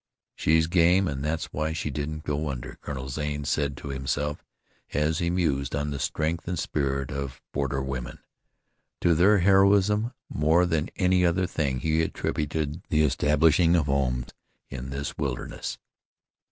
"She's game and that's why she didn't go under," Colonel Zane said to himself as he mused on the strength and spirit of borderwomen. To their heroism, more than any other thing, he attributed the establishing of homes in this wilderness.